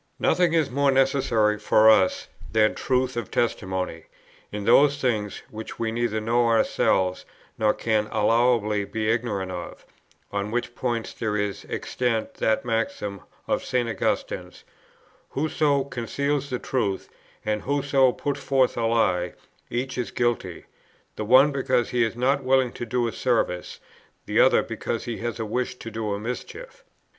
"Nothing is more necessary [for us] than truth of testimony, in those things, which we neither know ourselves, nor can allowably be ignorant of, on which point there is extant that maxim of St. Augustine's: Whoso conceals the truth, and whoso puts forth a lie, each is guilty; the one because he is not willing to do a service, the other because he has a wish to do a mischief.